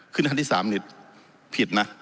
ขึ้นขั้นที่๓เนี่ยผิดนะ